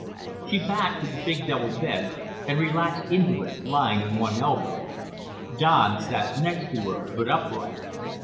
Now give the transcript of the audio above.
She backed to the big double bed and relaxed into it, lying on one elbow. Don sat next to her, but upright.